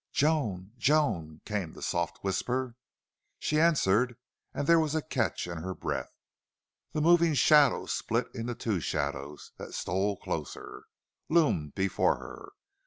"Joan Joan," came the soft whisper. She answered, and there was a catch in her breath. The moving shadow split into two shadows that stole closer, loomed before her.